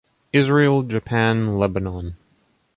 Israel, Japan, Lebanon.